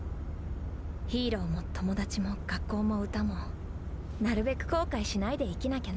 ヒーローも友達も学校も歌もなるべく後悔しないで生きなきゃね。